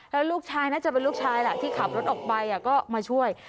แล้วลูกชายน่าจะเป็นลูกชายแหละที่ขับรถออกไปก็มาช่วย